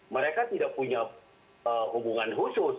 mereka tidak punya hubungan khusus